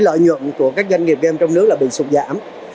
lợi nhuận của các doanh nghiệp game trong nước là bị sụt giảm